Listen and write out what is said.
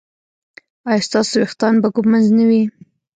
ایا ستاسو ویښتان به ږمنځ نه وي؟